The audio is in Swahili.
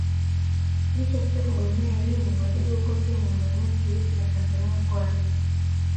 Licha tu ya kugomea elimu wadigo huko kenya maeneo ya kilifi na Tanzania Kwale